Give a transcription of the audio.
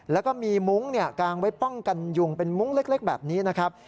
แล้วก็มีมุ้งกางไว้ป้องกันยุงเป็นมุ้งเล็กแบบนี้นะครับ